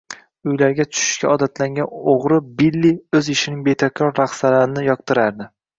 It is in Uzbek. Uylarga tushishga odatlangan oʻgʻri Billi oʻz ishining betakror lahzalarini yoqtirardi.